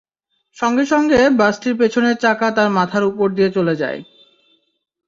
সঙ্গে সঙ্গে বাসটির পেছনের চাকা তাঁর মাথার ওপর দিয়ে চলে যায়।